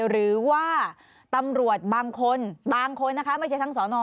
หรือว่าตำรวจบางคนบางคนนะคะไม่ใช่ทั้งสอนอ